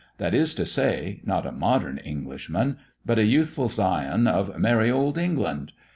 That is to say, not a modern Englishman, but a youthful scion of merry old England.